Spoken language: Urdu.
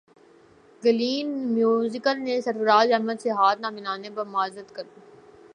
گلین میکسویل نے سرفراز احمد سے ہاتھ نہ ملانے پر معذرت کر لی